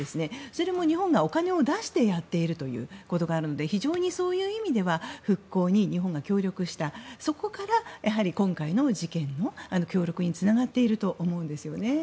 それも日本がお金を出してやっているということがあるので非常にそういう意味では復興に日本が協力したそこからやはり今回の事件の協力につながっていると思うんですよね。